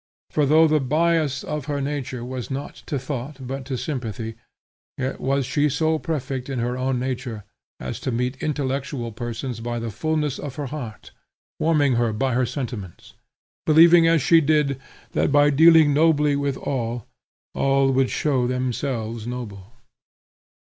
For though the bias of her nature was not to thought, but to sympathy, yet was she so perfect in her own nature as to meet intellectual persons by the fulness of her heart, warming them by her sentiments; believing, as she did, that by dealing nobly with all, all would show themselves noble.